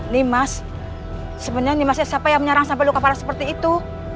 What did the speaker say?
ini mas sebenarnya nimasnya siapa yang menyerang sampai luka parah seperti itu